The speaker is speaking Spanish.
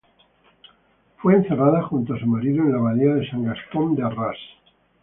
Fue enterrada junto a su marido en la abadía de San Gastón de Arras.